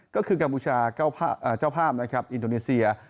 ก็คือกัมพูชาเจ้าภาพนะครับอินโดนีเซีย